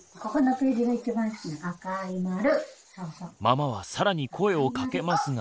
ママは更に声をかけますが。